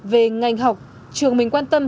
về ngành học trường mình quan tâm